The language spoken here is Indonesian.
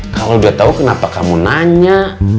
kalau udah tau kenapa kamu nanya